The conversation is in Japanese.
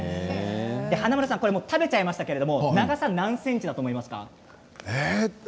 華丸さん食べてしまいましたけど長さは何ｃｍだと思いますか？